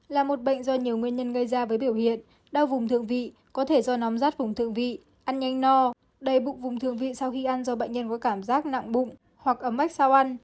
là một bệnh do nhiều nguyên nhân gây ra với biểu hiện đau vùng thượng vị có thể do nóng rát vùng thượng vị ăn nhanh no đầy bụng vùng thượng vị sau khi ăn do bệnh nhân có cảm giác nặng bụng hoặc ấm ếch sao ăn